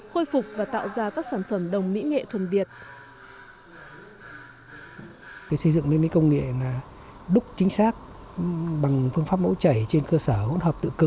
khôi phục và tạo ra các sản phẩm đồng mỹ nghệ thuần việt